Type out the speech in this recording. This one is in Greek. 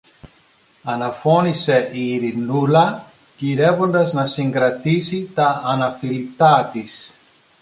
αναφώνησε η Ειρηνούλα, γυρεύοντας να συγκρατήσει τ' αναφιλητά της.